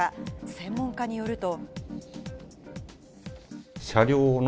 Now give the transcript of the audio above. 専門家によると。